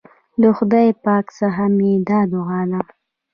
له خدای پاک څخه مي دا دعا ده